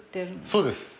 そうです。